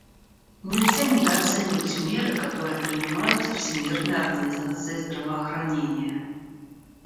Нельзя недооценивать меры, которые принимаются Всемирной организацией здравоохранения.